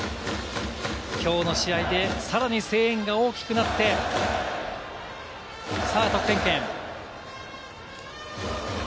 きょうの試合でさらに声援が大きくなって、さあ得点圏。